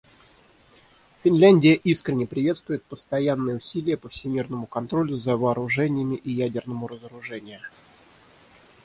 Финляндия искренне приветствует постоянные усилия по всемирному контролю за вооружениями и ядерному разоружения.